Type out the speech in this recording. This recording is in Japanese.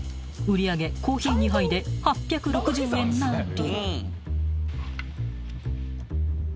［売り上げコーヒー２杯で８６０円なり］